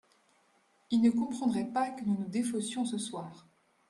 Ils ne comprendraient pas que nous nous défaussions ce soir.